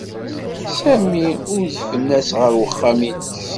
Sami udfen-as ɣer uxxam-nnes.